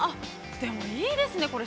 でも、いいですね、これ。